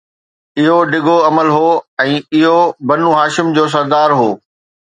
اهو هڪ ڊگهو عمل هو ۽ اهو بنو هاشم جو سردار هو